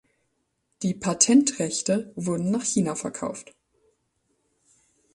Die Patentrechte wurden nach China verkauft.